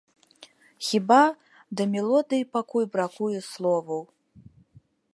Хіба, да мелодыі пакуль бракуе словаў.